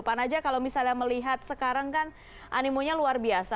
pak naja kalau misalnya melihat sekarang kan animonya luar biasa